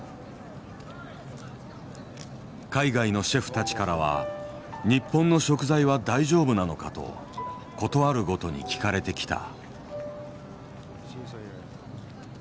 海外のシェフたちからは「日本の食材は大丈夫なのか」と事あるごとに聞かれてきた。